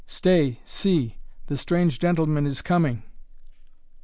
Stay, see the strange gentleman is coming."